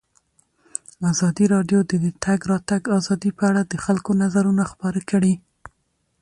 ازادي راډیو د د تګ راتګ ازادي په اړه د خلکو نظرونه خپاره کړي.